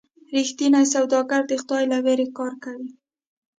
رښتینی سوداګر د خدای له ویرې کار کوي.